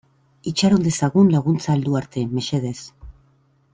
Itxaron dezagun laguntza heldu arte, mesedez.